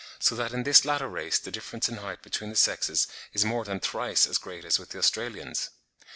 so that in this latter race the difference in height between the sexes is more than thrice as great as with the Australians.